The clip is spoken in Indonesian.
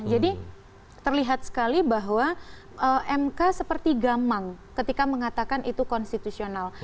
jadi terlihat sekali bahwa mk seperti gamang ketika mengatakan itu konstitusional